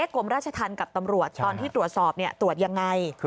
กลมราชทันกับตำรวจตอนที่ตรวจสอบตรวจอย่างไร